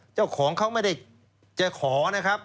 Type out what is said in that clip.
เจ้าของเขาไม่ได้จะขอนะครับ